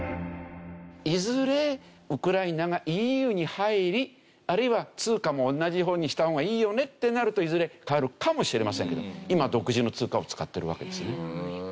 いずれウクライナがＥＵに入りあるいは通貨も同じ方にした方がいいよねってなるといずれ変わるかもしれませんけど今は独自の通貨を使ってるわけですね。